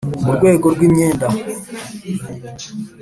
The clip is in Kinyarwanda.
Mu rwego rw imyenda